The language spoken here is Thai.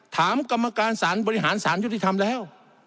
กรรมการสารบริหารสารยุติธรรมแล้ว